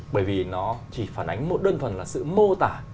bởi vì nó chỉ phản ánh một đơn phần là sự mô tả